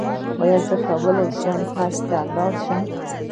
ایا زه به وکولی شم حج ته لاړ شم؟